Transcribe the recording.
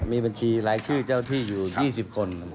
มีบัญชีรายชื่อเจ้าที่อยู่๒๐คน